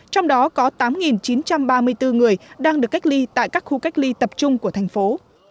trong đó có tám chín trăm ba mươi bốn người đang được cách ly tại các khu cách ly tập trung của thành phố